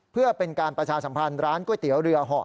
เพื่อเป็นการประชาสัมพันธ์ร้านก๋วยเตี๋ยวเรือเหาะ